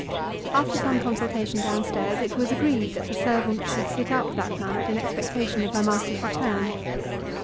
After some consultation downstairs, it was agreed that the servant should sit up that night, in expectation of her master's return.